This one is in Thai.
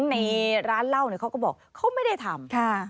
ในร้านเหล้าเนี่ยเขาก็บอกเขาไม่ได้ทำ